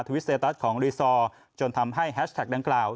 วิสเตตัสของรีซอร์จนทำให้แฮชแท็กดังกล่าว